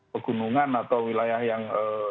pegunungan atau wilayah yang